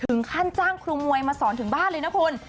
จ้างครูมวยมาสอนถึงบ้านเลยนะคุณ